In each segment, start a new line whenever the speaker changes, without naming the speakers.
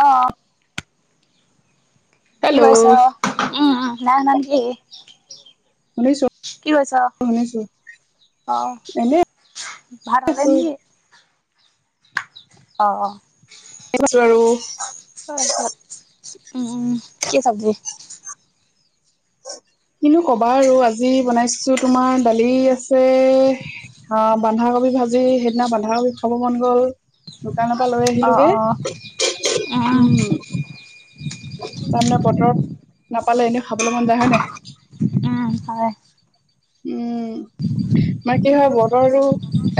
অঁ কি
হেল্ল'
কৰিছ উম নাই শুনা নে?
শুনিছো
কি কৈছ
শুনিছো
আহ
এনে
ভাত হলেই
আছো
নেকি অ
[unintelligible]
তা পিছত কি চাব্জি?
কিনো কবা আৰু আজি বনাইছো তোমাৰ দালি আছে। অ বন্ধাকবি ভাজি সেইদিনা বন্ধাকবি খাব মন গ'ল। দোকানৰ পৰা লৈ
অ
আহিলোগে,
অ
উম। তাৰমানে বতৰত নাপালে, এনেও খাবলৈ মন যায় হয় নাই।
উম হয়
উম আমাৰ কি হয় বতৰো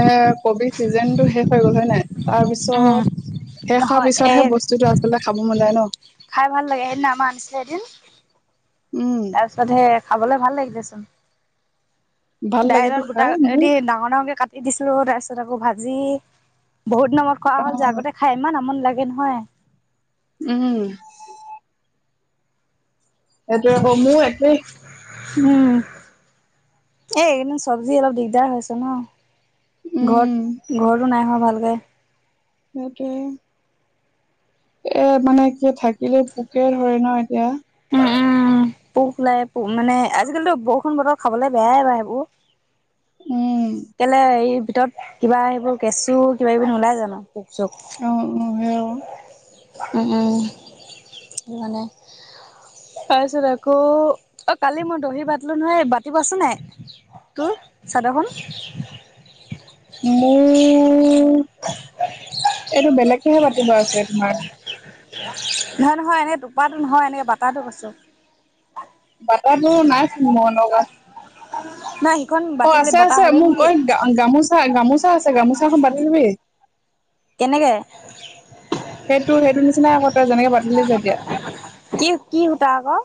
এ কবি ছিজন টো শেষ হৈ গল হয় নাই। তাৰ
উম
পিছত শেষ হোৱাৰ
নহয় এই
পিছতহে বস্তুতটো আচলতে খাব মন যায় ন।
খাই ভাল লাগে সেইদিনা আমাৰ আনিছিলে এদিন,
উম
তাৰপিছত সে- খাবলে ভাল লাগিলেচোন।
ভাল লাগেতো
দাইলত
খাই
গোটাকে
মোৰ
দি ডাঙৰ ডাঙৰকে কাট - দি দিছিলো, তাৰপিছত আকৌ ভাজি বহুত দিনৰ মূৰত খোৱা
অ
হ'ল যে আগতে- খাই ইমান আমনি লাগে নহয়।
উম এইটোৱে কহ, মোৰ একেই
উম, এই এইকেইদিন চব্জি অলপ দিগদাৰ হৈছে ন।
উম
ঘৰত ঘৰতো নাই হোৱা ভালকে।
সেইটোৱে এহ মানে কি থাকিলে পোকে ধৰে নহ এতিয়া
উম উম, পোক ওলাই মানে আজিকালিতো বৰষুণ বতৰ খাবলে বেয়াই বাৰু সেইবোৰ
উম।
কেলে হেৰি, তই কিবা সেইবোৰ কেঁচু কিবা কিবি নোলায় জানোঁ জুক
অ অ সেয়া
ওম ওম মানে তাৰ পিছত আকৌ, অ কালি মই দহি বাটিলো নহয় বাতিব আছে নাই। তোৰ চাদৰখন
মোৰ এইটো বেলেগকেহে বাতিব আছে তোমাৰ
নহয় নহয় এনেই টোপাটো নহয়, এনেকে বাটাটো কৈছোঁ।
বাতাটো নাইচোন মই লগা।
নাই সিখন বাতিলে,
আছে
বতা
আছে
হলেই
মোক
নেকি।
ঐ গা অ গামোচা গামোচা আছে। গামোচাখন বাটিলো এই
কেনেকে
সেইটো সেইটো নিচিনাই আকৌ, তই যেনেকে বাতিলি যে এতিয়া
কি কি সূতা আকৌ?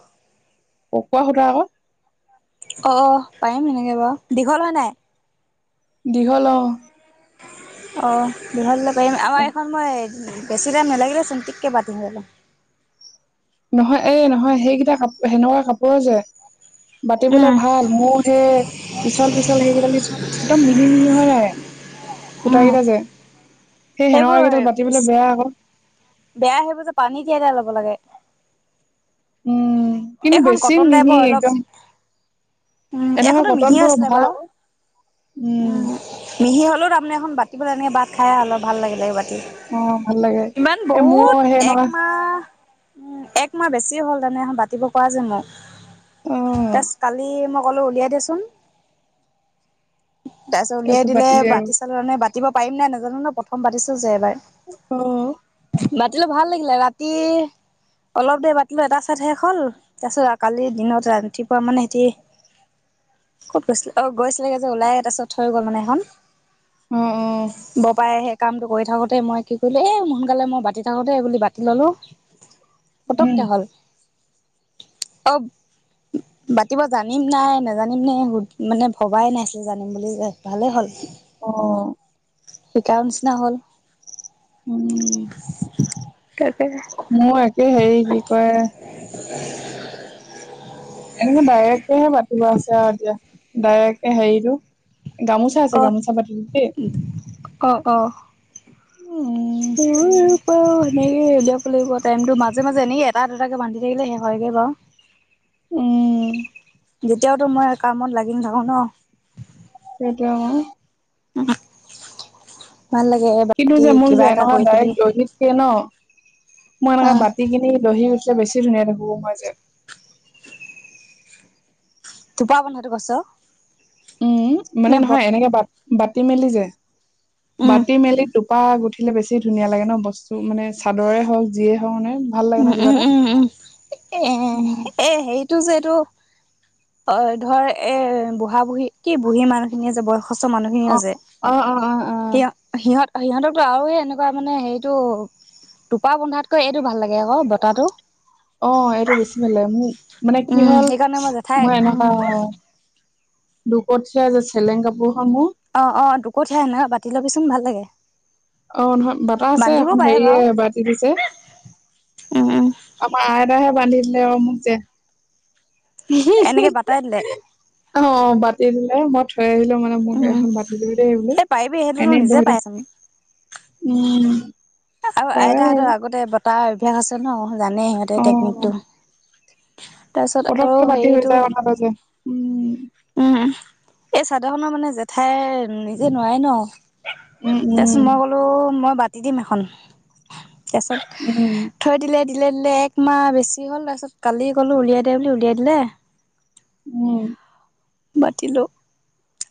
পকোৱা সূতা আকৌ
অ পাৰিম এনেকে বাৰু, দীঘল হয় নাই।
দীঘল অহ
অ বিহাৰলৈ যাব পাৰিম। আমাৰ এইখন মই বেছি টাইম নালাগিলে চোন, তিককে বাতি এতালে।
নহয় এহ নহয় সেইকেইটা কাপু সেনেকুৱা কাপোৰৰ যে। বাতিবলে
উম
ভাল, মোৰ সেই পিছল পিছল সেইকেইদালি একদম মিহি মিহি হৈ নাই, সুটা কেইটা যে এই সেনাকা
সেইবোৰ
কেইডাল বাতিবলে বেয়া আক
বেয়াই হেবোৰ যে পানী তিয়াই তিয়াই লব লাগে।
উম, কিন্তু
এইখন
বেছি
কটন
মিহি
টাইপৰ অলপ
একদম।
উম
এনেকুৱা
এইখনো মিহি
কটনবোৰৰ
আছিলে
ভাল
বাৰু
আক, উম।
মিহি হলেও তাৰমানে এখন বাতিবলৈ এনে বাত খাই অলপ ভাল লাগে এনেকে বাতি।
অ ভাল লাগে
ইমান
এ
বহুত
মোৰ সেই এনেকুৱা
একমাহ উম, এক মাহ বেছি হ'ল হেতেনে এখন বাতিব কোৱা যে মোক
অ
কালি মই কলো উলিয়াই দেচোন, তাৰপিছত উলিয়াই দিলে
পাতিলি আৰু
বাতিব পাৰিম নাই নাজানো নহ, প্ৰথম বাতিছো যে এইবাৰ
অহ
বাতিলো ভাল লাগিলে, ৰাতি অলপ দেৰি বাতিলো এটা চাইদহে হল, তাৰপিছত কালিৰ দিনত ৰাতিপুৱা মানে সেতি কত গৈছিলে, অহ গৈছিলেগে যে ওলাই, তাৰপিছত থই গল মানে এখন।
অহ অহ।
বৰ পাই সেই কামটো কৰি থাকোঁতে মই কি কৰিলো, এই সোনকালে মই বাতি থাকোঁতে বুলি বাতি ললোঁ।
উম,
পতককে হল। অব বাতিব জানিম নাই নেজানিম নাই সুত মানে ভবাই নাছিলোঁ, জানিম বুলি যে ভালেই হল।
অহ।
শিকাৰ নিচিনা হল।
ওম
তাকেহে।
মোৰ একে হেৰি কি কয়।
[unintelligible]
এনেকে ডাইৰেককেহে পাতিব আছে আৰু এতিয়া ডাইৰেককে হেৰিটো। গামোচা আছে
ক,
গামোচা পাতি দিম দেই
ক-ক।
উম
[unintelligible] আকৌ সেনেকে উলিয়াব লাগিব। টাইমটো মাজ মাজে এনেকে এটা দুটাকে বান্ধি থাকিলে শেষ হয়গে বাও।
উম
যেতিয়াওটো মই কামত লাগি নাথাকো ন।
[unintelligible]
[unintelligible] ভাল লাগে
কিন্তু
বাকী
যে মোৰ যে
কিবা এটা
এনেকুৱা
কৰি থাকি
ডাইৰেক্ট দহিককে ন মই এনেকুৱা
আহ
বাতি কিনি দহি গুঠ তেতিয়া বেছি ধুনীয়াকে বব পৰা যায়।
টোপা বন্ধাটো কৈছ?
উম মানে
নে বত
নহয় এনেকে বাট বাটি মেলি যে
উম
বাাটি মেলি টো টোপা গুঠিলে বেছি ধুনীয়া লাগে ন। বস্তুটো মানে চাদৰে হওক যিয়ে হওক মানে। ভাল লাগে ন
উম,
কিবা
উম,
এটা
উম, উম এ
উম
এ এ হেৰিতো যে এইটো অ ধৰ এ বুঢ়া-বুঢ়ী কি বুঢ়ী মানুহখিনিয়ে যে বয়স [unintelligible]
অ
মানুহখিনিও যে
অ অ অ অ
কিয় সিহঁত সিহঁতৰটো আৰু এনেকুৱা মানে হেইটো টোপা বন্ধাতকৈ এইটো ভাল লাগে আকৌ বটাটো।
অ এইটো বেছি ভাল লাগে। মোক মানে কি
উম
হ'ল
সেইকাৰণে জেঠাই
মই এনেকুৱা
উম
অ দুপদ [unintelligible] যে চেলেং কাপোৰখন মোৰ।
অ, অ দুকঠীয়া, এনেকে কাটি ল'বিচোন ভাল লাগে।
অ নহয় বাটা আছে
বান্ধিব
এখন
পাৰে
হেৰিয়ে
বাৰু
বাটি দিছে।
উম উম
আমাৰ আইতাইহে বান্ধি দিলে আকৌ মোক যে
এনেকে বাটাই দিলে।
অ, বাটি দিলে। মই থৈ আহিলো মানে মোক
উম
এখন বাটি দিবি দেই বুলি।
এই পাৰিবি সেইটোতো
এনেই
নিজে
বহি লং
পাইচোন
উম।
আৰু
বাৰু
আইতাহঁতৰ আগতে বটাৰ অভ্যাস আছে ন। জানেই সিহঁতে
অ
টেকনিকটো। তাৰছত আৰু
পতককে বাতি
হেইটো
[unintelligible] উম।
উম, এই চাদৰখনৰ মানে জেঠাই নিজে নোৱাৰে ন।
উম উম
তাৰছত মই বোলো মই বাটি দিম এখন। তাৰছত
উম।
থৈ দিলে দিলে দিলে একমাহ বেছি হ'ল। তাৰপিছত কালি ক'লো উলিয়াই দে বুলি, উলিয়াই দিলে।
উম।
বাটিলো।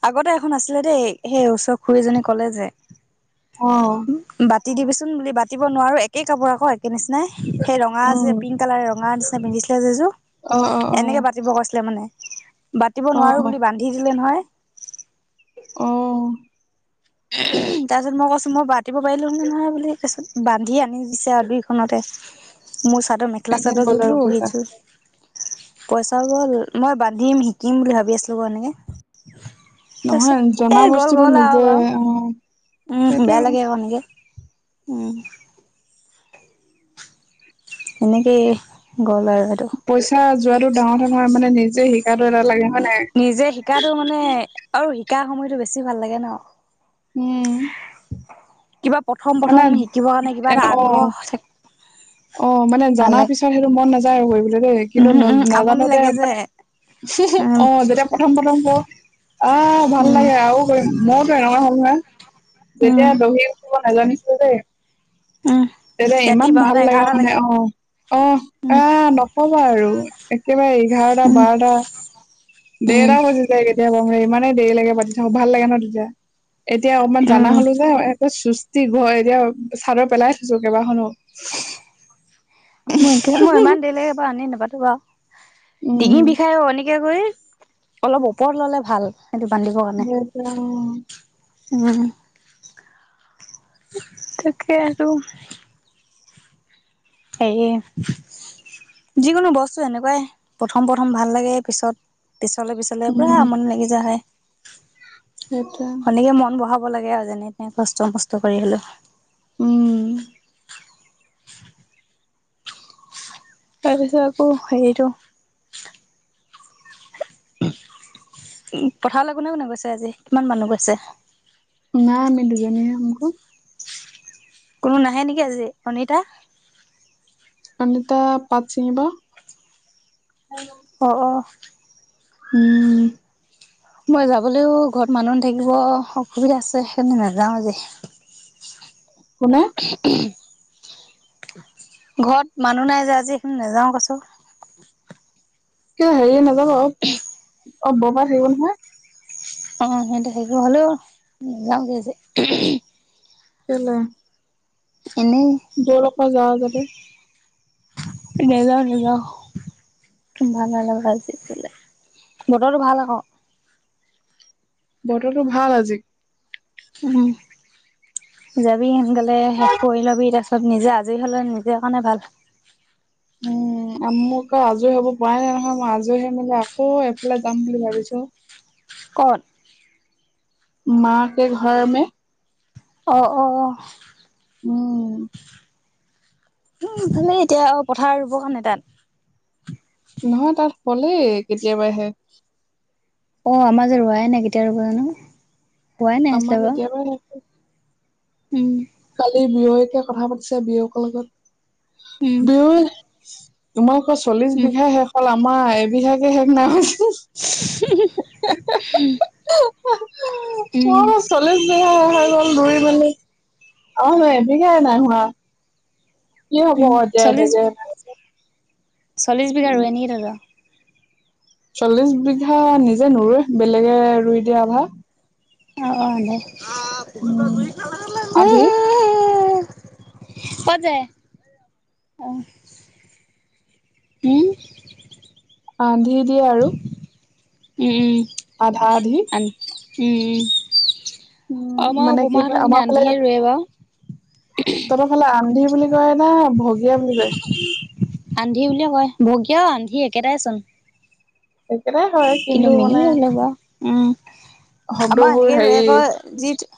আগতে এখন আছিলে দেই। সেই ওচৰ খুৰীজনী কলে যে
অ
উ বাটি দিবিচোন বুলি বাটিব নোৱাৰো। একে কাপোৰ আকৌ একে নিচিনাই সেই ৰঙা
উম
যে পিংক কালাৰ ৰঙা নিচিনা পিন্ধিছিলে যে এযোৰ
অ অ
এনেকে বাটিব কৈছিলে মানে। বাট বাটিব
অ
নোৱাৰো
অ
বুলি বান্ধি দিলে নহয়।
অ
তাৰপিছত মই কৈছো মই বাটিব পাৰিলো হয় নহয় বুলি। তাছত বান্ধি আনি দিছে আৰু দুইখনতে। মোৰ চাদৰ মেখেলা
এনে
চাদৰ
গ'ল আৰু
যোৰটো
পইচা
সেইযোৰ। পইচাও গ'ল। মই বাটিম, শিকিম বুলি ভাবি আছিলো মানে।
নহয়
তাৰছত
জনা
এই গ'ল
বস্তুটো
গ'ল
নিজে
আৰু বাও।
অ
উম,
সেইটোৱে
বেয়া
আৰু
লাগে আক' এনেকে, উম। তেনেকেই গ'ল আৰু সেইটো।
পইচা যোৱাটো ডাঙৰ কথা নহয়। মানে নিজে শিক
নিজে শিকাতো মানে আৰু শিকা সময়টো বেছি ভাল লাগে ন
উম
কিবা প্ৰথম
মানে
প্ৰথম শিকিবৰ কাৰণে কিবা
এন
এটা
অ,
আগ্ৰহ থাকে
অ মানে
ভাল
জনাৰ
লাগে
পিছত হে টো মন নাযায় আৰু কৰিবলে দেই কিন্তু
উম
ন
উম আমনি
নাজানোতে
লাগে যে
মানে অ হ হ
উম
অ যেতিয়া প্ৰথম প্ৰথম বও আহ ভাল
উম
লাগে আৰু মই টো এনেকুৱা হল নহয় যেতিয়া
উম
দহি গুঁঠিব নাজানিছিলো দেই
উম।
তেতিয়া
ৰাতি
ইমান
বাৰটা
ভাল লাগে
এঘাৰটালৈকে।
মানে আহ অ
উম,
আহ নকবা আৰু একেবাৰে এঘাৰটা
উম,
বাৰটা ডেৰটা
উম,
বাজি জ যাই কেতিয়াবা মোৰ ইমানেই দেৰি লাগে বাতি থাকো ভাল লাগে ন তেতিয়া, এতিয়া অকমান জানা
উম,
হলো যে চুস্তি ঘৰ এতিয়া চাদৰ পেলাই থৈছো কেইবাখনো
মই মই ইমান দেৰিলৈকে বাৰ আনি নাবাতোবা ডিঙি
উম
বিষাই অ এনকে কৰি অলপ ওপৰত ললে ভাল সেইটো বান্ধিবৰ
সেইটোৱে অ
কাৰণে উম তাকে আৰু এইয়ে যিকোনো বস্তু এনেকুৱাই প্ৰথম প্ৰথম ভাল লাগে পিছত পিছলে পিছলে পুৰা
উম
আমনি লাগি য হয়ে
সেইটোৱে
সনেকে মন বঢ়াব লাগে আৰু যেনে তেনে কষ্ট মষ্ট কৰি হলেও
উম
তাৰপাছত আকৌ সেইটো, উ পথাৰলৈ কোনে কোনে গৈছে আজি কিমান মানুহ গৈছে?
না আমি দুজনীয়ে হম ক
কোনো নাহে নেকি আজি অনিতা‌?
অনিতা পাট ছিঙিব
অঁ অঁ
উম
মই যাবলৈও ঘৰত মানুহ থাকিব অসুবিধা আছে সেইকাৰণে নাযাও আজি
কোনে
ঘৰত মানুহ নাই যে আজি সেইকাৰণে নাযাও কৈছো।
কিবা হেৰি নাযাব অ অ বৰপা থাকিব নহয়
অ সিহত সেইবোৰ হলেও নাযাও গে আজি
কেলে?
এনেই
বল আক যাৱ যদি
নাযাওঁ, নাযাওঁ ভাল নালাগা আজি বোলে বতৰটো ভাল আকৌ
বতৰটো ভাল আজি
উম যাবি সোনকালে শেষ কৰি লবি তাৰপিছত চব নিজে আজৰি হ'লে নিজৰ কাৰণে ভাল। [inaudible]
উম মোক ক আজৰি হ'ব পৰাই নাই নহয় মই আজৰি হৈ মেলি আকৌ এফালে যাম বুলি ভাবিছোঁ।
ক'ত?
মা কে ঘৰ মে
অঁ অ'
উম
উম ভালে এতিয়া অ পথাৰ ৰুব কাৰনে তাত
নহয় তাত হ'লেই কেতিয়াবাই শেষ।
অ আমাৰ য়ে ৰুৱাই নাই কেতিয়া ৰ'ব জানো হোৱাই নাই আছিলে
আমাৰ
বাৰু
কেতিয়াবাই শেষ।
উম
কালি বিয়য়েকে কথা পাতিছে বিয়েকৰ
উম
লগত দুয়ো, তোমালোক চল্লিশ
উম
বিঘা শেষ হল, আমাৰ এবিঘাকে শেষ নাই হোৱা চুন।
[unintelligible] উম
চল্লিছ বিঘা শেষ হৈ গল, আমাৰ এবিঘা নাই হোৱা। কি হ'ব
উম
ক এতিয়া হে
চল্লিছ
ভাগে।
চল্লিছ বিঘা ৰুৱে নেকি তহঁতৰ।
চল্লিশ বিঘা নিজে নুৰুৱে বেলেগে ৰুই দিয়ে ক। উম। আধি
[unintelligible] কত যায় অঁ। কি
আন্ধি দিয়ে আৰু।
উম উম
আধা আধি
উম উম
উম
আমাৰ
মানে কি হয়
বমাহতৰ খিনি
আমাৰ ফালে
আন্ধিয়ে ৰোৱে বাৰু।
তহঁতৰ ফালে আন্ধি বুলি কয় না ভগিয়া বুলি কয়।
আন্ধি বুলিয়ে কয় ভগিয়াও আন্ধি একেটাই চোন।
একেটাই হয়
কিন্তু মেলি হ লব উম আমাৰ
শব্দবোৰ
এনেকে ৰুৱে
হেৰি
ক যিটো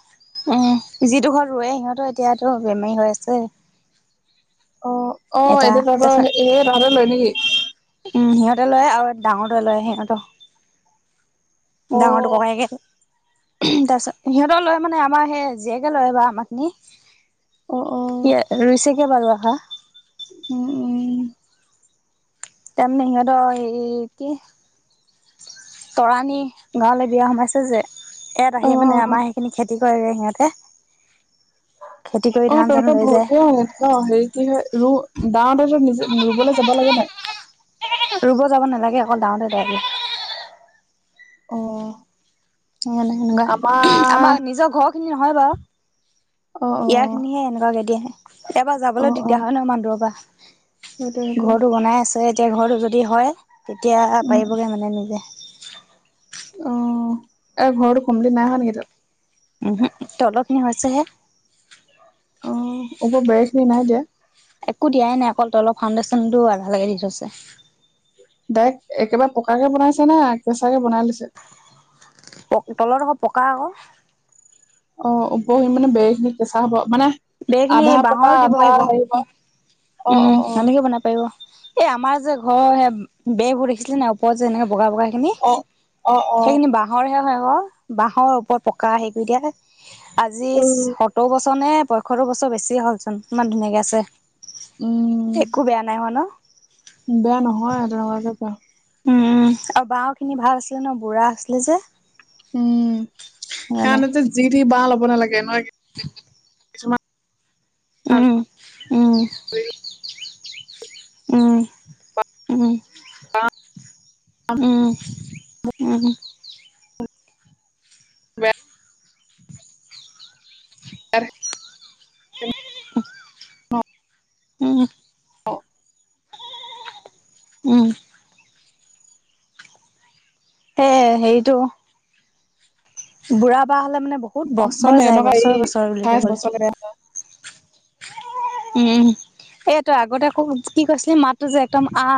উম যিডোখৰত ৰুৱৱে সিহঁতো এতিয়াতো বেমাৰী হৈ আছে।
অ অ
এটা
এতিয়া তাহতৰ
তাৰপিছত
এই তাহতেৰ লৈ নেকি?
উম সিহঁতে লয় আৰু ডাঙৰতে লয় সিহঁত। ডাঙৰটোৰ
অ'
ককাইকে। উম তাৰ পিছত সিহঁতৰ লয় মানে আমাৰ সেই জীয়েকে লয় বা আমা খিনি
অ' অ'
ৰুইছেগে বাও ৰোৱা খা
উম উম
তাৰ মানে সিহঁতৰ হেৰি কি? তৰাণী গাঁৱলৈ বিয়া সোমাইছে যে। ইয়াত
অ'
আহি মানে
অ'
আমাৰ সেইখিনি খেতি কৰেগে সিহঁতে। খেতি কৰি
অঁ
ধান চান
তহত
লৈ যায়
ভগিয়াল। ন হেৰি কি হয় ৰু দাওঁতে যে নিজে ৰুবলৈ যাব লাগে নাই।
ৰুব যাব নালাগে, অকল ডাওঁতে ডাইদিয়ে।
অ
সে সেনেকুৱা আমাৰ নিজৰ ঘৰ - খিনি নহয় বাউ
অ'
ইয়া খিনি
অ'
এনেকোৱাকে দিয়ে। ইয়াৰ পৰা যাবলৈ
অ' অ'
দিগদাৰ হয় ন ইমান দুৰ পৰা,
সেইটোৱে সেইটোৱে
ঘৰতটো বনাই আছে। তেতিয়া ঘৰটো যদি হয় তেতিয়া
উম
পাৰিবগে মানে নিজে।
অঁহ, তাৰ ঘৰতো কমপ্লিট নাই হোৱা নেকি হেইটো।
উমহো, তলতখিনি হৈছে হে।
অঁহ, ওপৰ বেৰ খিনি নাই দিয়া।
একো দিয়াই নাই, অকল তলৰ অলপ ফাউণ্ডেশ্যনতটো আধালেকে দি থৈছে।
ডাইৰেক্ট একেবাৰে পকাকে বনাইছে না কেঁচাকে বনাই লৈছে।
পক তলত দোখৰ পকা আকৌ।
অহ ওপৰ খিনি মানে বেৰ খিনি কেঁচা হব মানে।
বেৰ খিনি
আধা পকা
বাঁহৰো দিব
আধা
পাৰিব উ
হেৰি হ'ব অ',
উম
অ', অ',
তেনেকে বনাব পাৰিব। এ আমাৰ যে ঘৰৰ সে বেবোৰ দেখিছিলে নে ওপৰত যে এনেকে বগা বগা। সেইখিনি
অ', অ', অ',
সেইখিনি বাঁহৰ ৰে হয ক বাঁহৰ ওপৰত পকা হেৰি কৰি দিয়া। আজি
উম,
সত্তৰ বছৰ নে পয়সত্তৰ বছৰ বেছিয়ে হলচোন ইমান ধুনীয়াকে
উম,
আছে। একো বেয়া নাই হোৱা ন।
বেয়া নহয় তেনেকুৱে বেয়া।
উম আৰু বাহঁৰ খিনি ভাল আছিলে ন বুঢ়া আছিলে যে।
উম সেইকাৰণে যে যি টি বাঁহ ল'ব নালাগে নহয়।
তে [unintelligible]
কিছুমান
উম উম উম উম উম উম।
[unintelligible] [unintelligible]
[unintelligible] উম।
অহ।
উম। এ সেইটো বুঢ়া বাঁহ হ'লে মানে বহুত
মানে
বছৰ যায়
এনেকুৱা এই
বছৰ বছৰ বুলি ক'বলে।
[unintelligible]
উম এই তই আগতে হও কি কৈছিলি মাতো যে একদম আ